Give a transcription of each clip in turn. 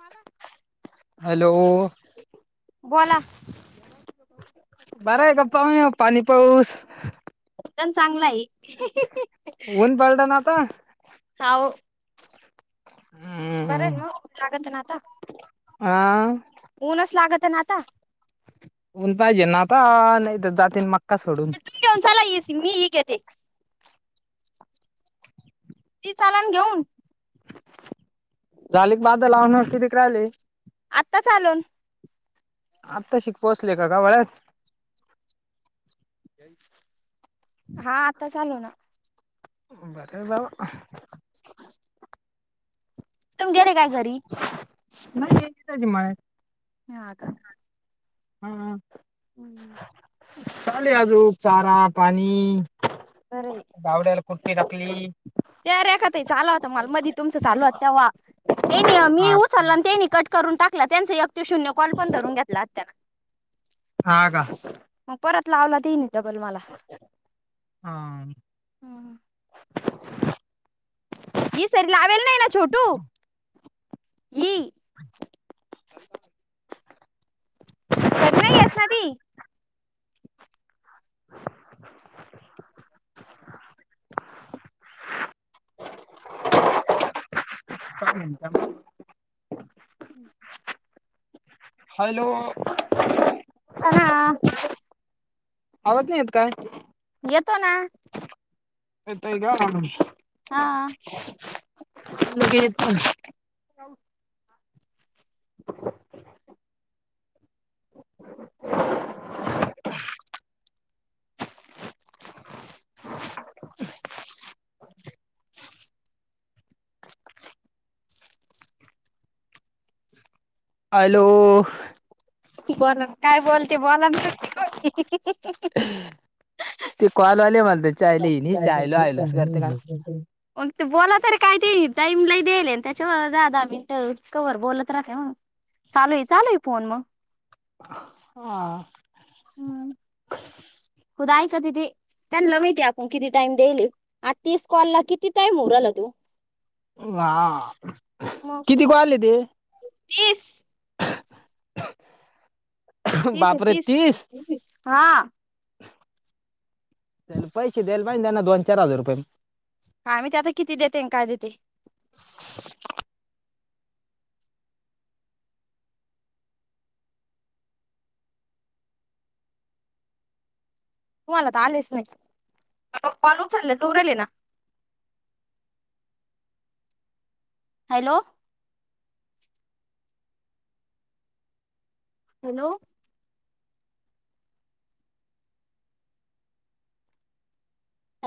मला हॅलो बोला बारा एक गप्पा एकदम म पाणी पाऊस दण चांगला आहे ऊन बलड नाता बर न जगत नाता हा ऊनच लागत आहे ना आता उऊन पाहिजे ना आता जातीन म तुम सल ये सि मी ह गेत ती लान घेऊन झाली क बाध लावून किती क राहिले आता चालून आत्ता शिक पोहोचले का का वळ्यात. हा आताच आलू ना. बरे जा तुम गेले काय घरी नाही इतच हे मळ्यात. हा का हम्. बरं चाले आजू चारापणी. बरय. कुट्टी टाकली. त्या रेखा ताई आला होता मला मदी तुमचं चालल होत तेव्हा. तेनी मी हा उचलला आणि तेनी कट करून टाकला त्यांच एकति शून्य कॉल पण धरून घेतला आत त्याना ह का लावला तेन डबल मला हा ह सरी लावेलनाय ना चोटू हा सरी नाहीयेस ना ती हा हा क हम् ह हॅलो, ता ना आवज नाही येत काय? येतो ना, येताय का ख [unintelligible] हा लगेेत जाऊ हॅलो बोला काय बोलते बोलान ती गोष्ट ते कॉल आले मला त चायले चायलो आयलोस करते का मग ते बोलात रे काय ते टाईमला देल त्याच्या दहा दहा मिनट कवर बोलत राख मग चालू आहे चालू आहे फोन मग हा खुदयच तिथी त्यांला माहितीय आपण किती टाइम देल आ तस कॉलला किती टाइम होऊ राहिला तो, ह किती को आले ते [inaudible] तीस [inaudible] तीस तीस हा [unintelligible] पैसे दल पाहि देना दोन चार हजार रुपये काय मीहिती आता किती देते काय देते तुम्हाला तर आलेच नाही चालले दरले ना [inaudible] हॅलो हॅलो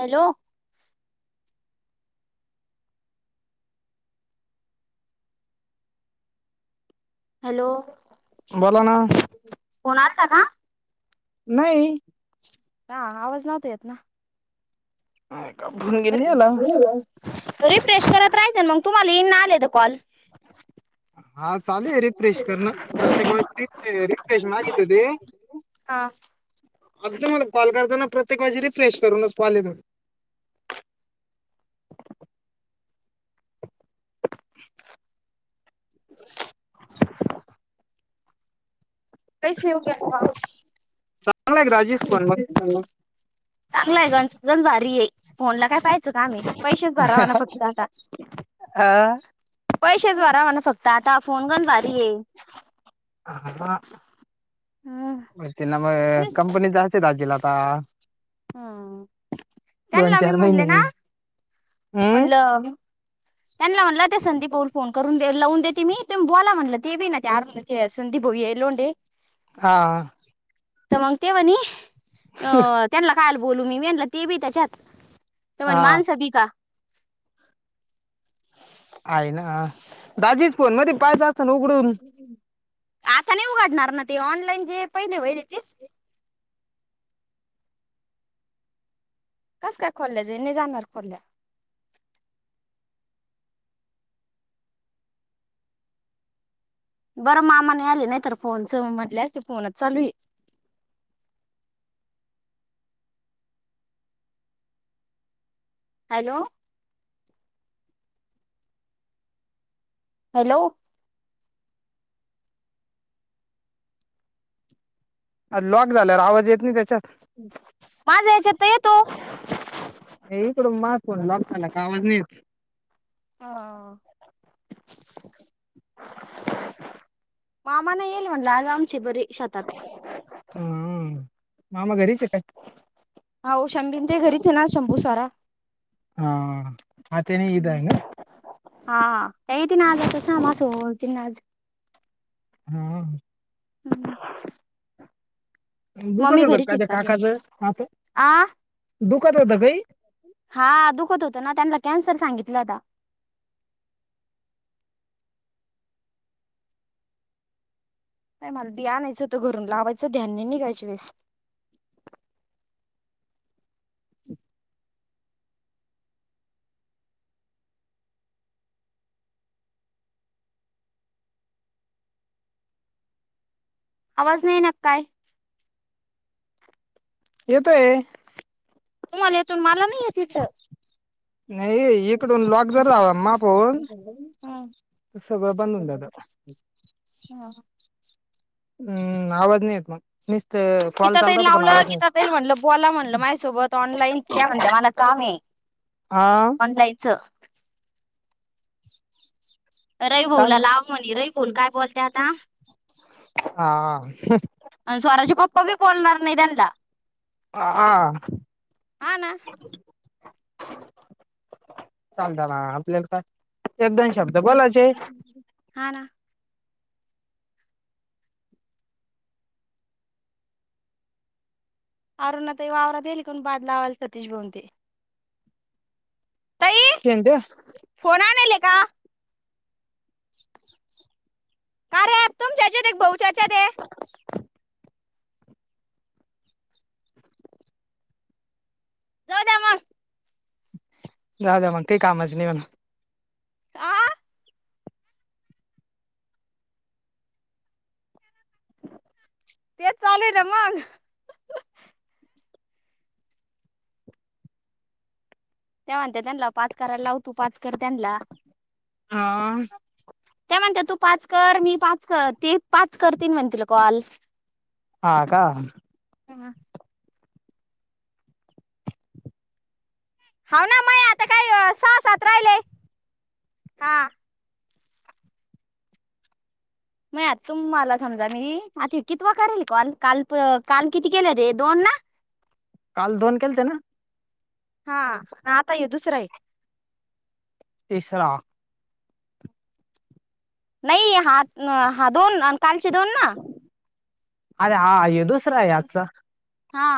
हॅलो हॅलो बोला नाही का का नाही हा आवाज नव्हतो येत ना ह रिफ्रेश करत राहायचं ना मग तुम्हाला येईन नाही आले तर कॉल [inaudible] हा चालेलय रिफ्रेश करण रिफ्रेश माझ ते साततट अदल प्रत्येकजी रिफ्रेश करूनच पाले द कैस येव क पा चांगला आहे राजेश पण मग चांगला आहे गणो भारी आहे फोनला काय पाहायचं का आम्ही पैसेच भरावाना फक्त आता हा पैसेच व म्हण फोत आता फोन करण बारी आहे हम् म कंपनीचा अस दाजेला आता हम् दोन त्यांला मी चार म्हणले ना महिने हम्म म्हणलं त्यांना म्हटलं ते संदीपऊल फोन करून लावून देते मी बुला म्हणलं ते बी ना संदीप हो येलोंडे हा तर मग तेव्हानी अ त्यांना कायल बोलू मी मी आणलं ते बी त्याच्यात तमन हा मान सभी का आहे ना दाजीच फोन मध्ये पायज असत ना उघडून आता नाही उघडणार ना ते ऑनलाईन जे पहिले होईल तेच कस का खोले नही जाणार खोल्य बरं मामाने आले नाही तर फोनच म्हटले ते फोनच चालू आहे [unintelligible] हॅलो हॅलो लॉक झाल्यावर आवाज येत नाही त्याच्यात माझ्या ह्याच्यात तर येतो इकड माणसाचा लगताना का आवाज नाहीेत मामा नाही येईल [inaudible] हा मामा घरीच काय हो शंभीमच्या घरीच ना शंभू स्वारा हा आत्याने ईद आहे ना हा का त ना आज तस आ माझं होती नाज हम दुख मम्मी होतं घरीच का त्या आहेत काकाचं हात आ दुखात होतं काही हा दुखत होत ना त्यांना कॅन्सर सांगितलं होता नाही मला बि आणयचं होतं घरून लावायचं ध्यानी निघायची वेळेस [unintelligible] आवाज नाही न काय येतोय तुम्हाला येेतून मला नाही येतिच नाही इकडून लॉक जर माझा फोन हम्म. सगळ बंदडता हम्म आवाज नाही येत मग कॉल गीता चालत तईला होता पण लावलं आवाज नाही गिता येत. तई मला म्हणल बोला म्हणल माझ्यासोबत ऑनलाईन त्या म्हणत मला काम आहे हा ऑनलाइन च चाल रविभऊला लाव म्हणी रविभऊ काय बोलत्यात आता हा आणि स्वराचे पप्पा बी बोलणार नाही त्यानला ह आा हा ना. चालत आपल्याला काय एक दोन ह शब्द बोलायचे हा ना अर न ते वावरात येईल ना बादलावल सतीश भाऊ ते तई ते फोन आणल का [inaudible] का रे तुम चर्चेत एक भाऊ चर्चेत आहे जाऊद्या मग जा जा मग काही कामच नाही आ तेच चालू आहे ना मग तेव्हाते त्यांला पाच क लावतो पाचकर त्यानला हा त्या म्हणते तू पाच कर मी पाच कर ते पाच कर तीन म्हणतील कॉल हा का ह होा ना मय आता काही सह सात राहिलेय हा म आ तुम मला समजा मी आ कितवा करेल कॉल काल काल किती केलते दोन ना काल दोन केलते ना हा पन आता ये दुसरं आहे तिसरा नाही हा हा दोन कालचे दोन ना अरे हा आहे दुसरा आहे आजचा हा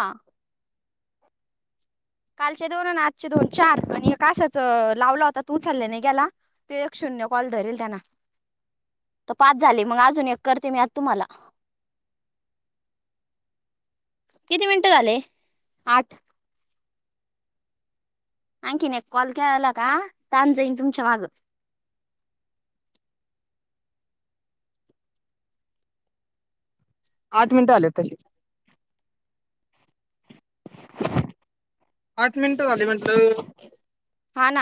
कालचे दोन आणि आजचे दोन चार आणि का आसाच लावला होता तू उचाले नाही गेला तूक्ष कॉल धरल त्यांना तर पाच झाले मग अजून एक करते मी आत तुम्हाला किती मिनिटं झाले आठ आणंखीने एक कॉल कला का त जाईन तुमच्या माग आठ मिनिटं आलेत तशी आठ मिनिट झाली म्हटलं हा ना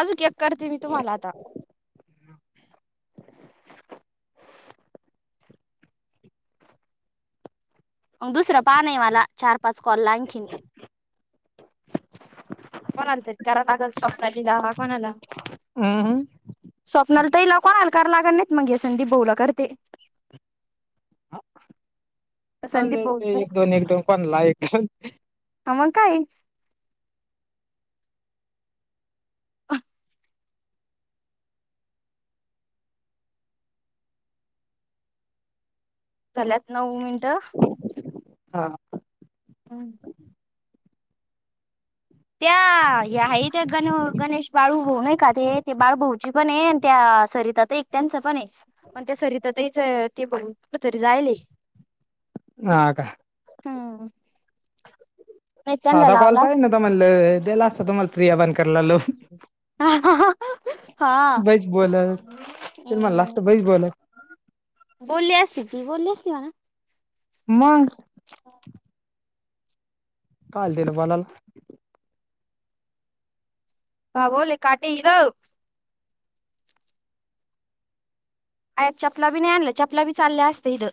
आज एक करते मी तुम्हाला आता अग दुसरा पा नाहीवाला चार पाच कॉल ला आणखीन कोणा आलत करा लागल स्वप्नाली दवा कोणाला हम्म स्वप्नालिताई कोणाला कारणा नाहीत मग हे संदीप भाऊला करते ह चाले संदीप भाऊ एक दोन एक दोन पणला एकोन आम काय अ झाल्यात नऊ मिनिटं हा हम् त्या ह्या त्या गण गणेश बाळू भाऊ नाही आहे का ते ते बाळूभऊची पण ये त्या सरितात एक त्यांच पण आहे पण त्या सरितातहीच ते भरपूर तरी जायल [inaudible] ह का हा साधा कॉल पाहिल ना तुम्हाला दिला असता तुम्हाला फ्रीया बन कला लोन हा बईच बोलला तर म लास्त बईच बोल बोल अससती ती बोल अससती म्ह ना मग टलतेल बलाल ह बोले काट जा आत चपला बी नाही आणला चपला बी चालल्या असत इथं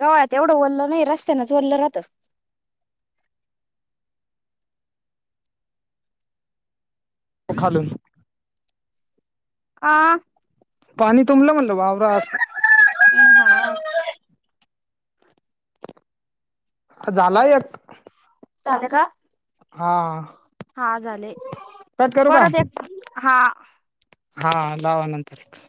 गवळ्यात एवढं ओरलं नाही रस्त्यानच ओरलं राहत खालून आ पाणी तुमला म्हणलं बाबरा हा ह झालाय एक चाले का हा हा झाले कट करू का परत एक हा हा लावानंतर एक